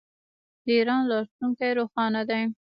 د ایران راتلونکی روښانه دی.